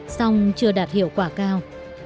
song chưa đạt hiệu quả cao